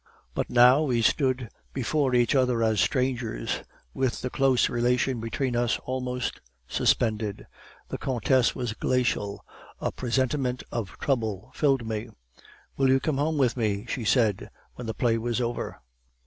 "But now we stood before each other as strangers, with the close relation between us both suspended. The countess was glacial: a presentiment of trouble filled me. "'Will you come home with me?' she said, when the play was over.